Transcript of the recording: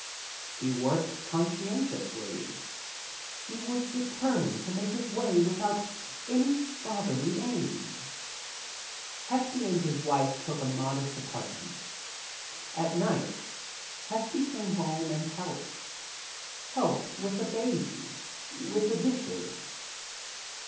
He worked conscientiously. He was de termined to make his way without any fatherly aid. Hefty and his wife took a modest apartment. At night Hefty came home and helped — helped with the baby — with the dishes.